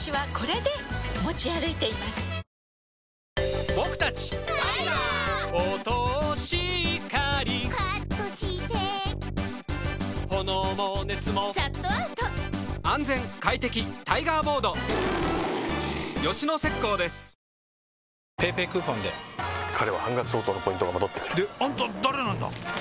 であんた誰なんだ！